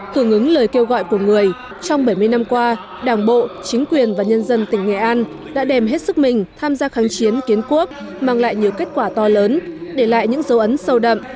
hưởng ứng lời kêu gọi của người trong bảy mươi năm qua đảng bộ chính quyền và nhân dân tỉnh nghệ an đã đem hết sức mình tham gia kháng chiến kiến quốc mang lại nhiều kết quả to lớn để lại những dấu ấn sâu đậm